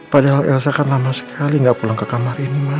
padahal elsa kan lama sekali gak pulang ke kamar ini ma